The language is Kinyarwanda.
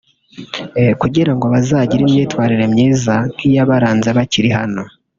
kugirango bazagire imyitwarire myiza nk’iyabaranze bakiri hano”